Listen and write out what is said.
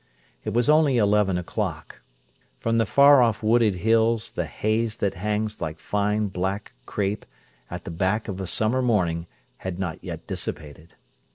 It was only eleven o'clock. From the far off wooded hills the haze that hangs like fine black crape at the back of a summer morning had not yet dissipated.